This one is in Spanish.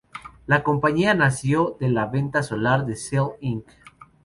La compañía nació de la venta de Solar Cell Inc.